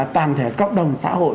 tàng thể cộng đồng xã hội